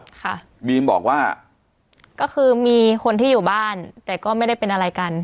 ค่ะบีมบอกว่าก็คือมีคนที่อยู่บ้านแต่ก็ไม่ได้เป็นอะไรกัน